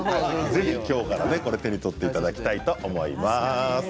ぜひ手に取っていただきたいと思います。